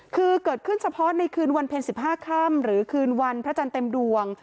คือเกิดขึ้นเฉพาะในคืนวันเพ็ญ๑๕ค่ำหรือคืนวันพระจันทร์เต็มดวง